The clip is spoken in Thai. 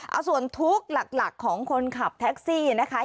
เอาส่วนทุกข์หลักของคนขับแท็กซี่นะคะ